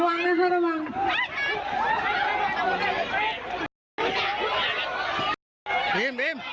ระวังนะครับระวัง